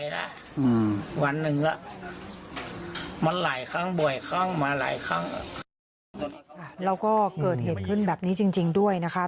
แล้วก็เกิดเหตุขึ้นแบบนี้จริงด้วยนะคะ